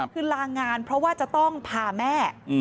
คือลางานเพราะว่าจะต้องพาแม่